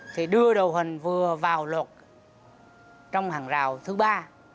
thì đưa đồ hình vừa vào lột trong hàng rào thứ ba